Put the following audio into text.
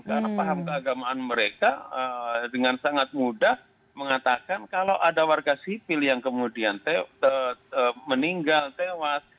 karena paham keagamaan mereka dengan sangat mudah mengatakan kalau ada warga sipil yang kemudian meninggal tewas